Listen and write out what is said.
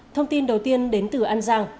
thông tin đầu tiên đến từ an giang